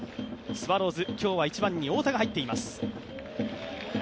スワローズ、今日は１番に太田が入っています。